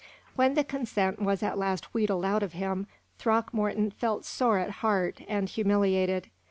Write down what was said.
When the consent was at last wheedled out of him, Throckmorton felt sore at heart and humiliated.